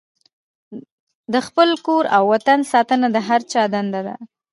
د خپل کور او وطن ساتنه د هر چا دنده ده.